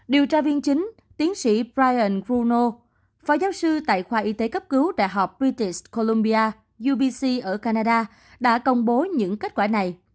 điều tra viên chính tiến sĩ brian grunow phó giáo sư tại khoa y tế cấp cứu đại học british columbia ubc ở canada đã công bố những kết quả này